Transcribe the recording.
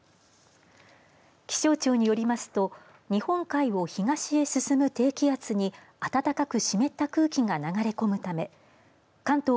気象庁によりますと日本海を東へ進む低気圧に暖かく湿った空気が流れ込むため関東